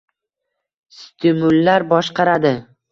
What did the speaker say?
– stimullar boshqaradi.